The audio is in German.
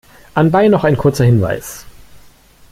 Anbei noch ein kurzer Hinweis.